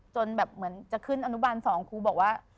จนแบบเหมือนจะขึ้นอนุบาล๒ครูบอกว่า